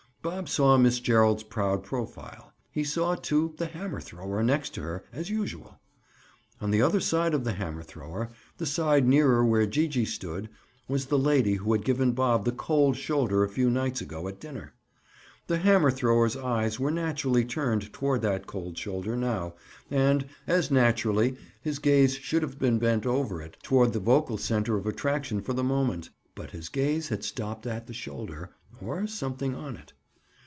Bob saw Miss Gerald's proud profile. He saw, too, the hammer thrower, next to her, as usual. On the other side of the hammer thrower—the side nearer where Gee gee stood—was the lady who had given Bob the "cold shoulder" a few nights ago at dinner. The hammer thrower's eyes were naturally turned toward that cold shoulder now, and, as naturally, his gaze should have been bent over it, toward the vocal center of attraction for the moment. But his gaze had stopped at the shoulder, or something on it.